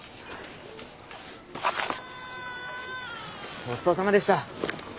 ごちそうさまでした。